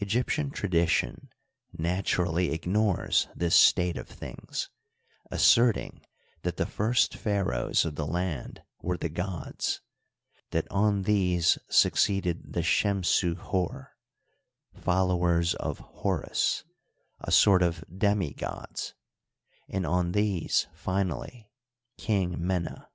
Egyptian tradition naturally ignores this state of things, asserting that the first pharaohs of the land were the gods ; that on these succeeded the Shemsu Hor, " Follow ers of Horus "— ^a sort of demi gods ; and on these, finally. King Mena.